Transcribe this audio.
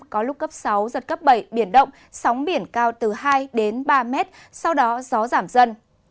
cấp sáu giật cấp bảy biển động sóng biển cao từ hai đến ba m sau đó gió giảm dần